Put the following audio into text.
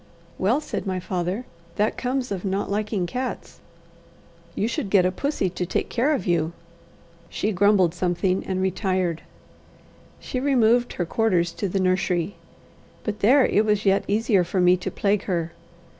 "Well," said my father, "that comes of not liking cats. You should get a pussy to take care of you." She grumbled something and retired. She removed her quarters to the nursery. But there it was yet easier for me to plague her.